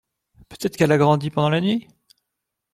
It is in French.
Peut-être qu’elle a grandi pendant la nuit.